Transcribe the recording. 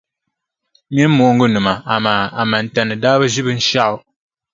Mini mooŋgunima amaa Amantani daa bi ʒi binshɛɣu.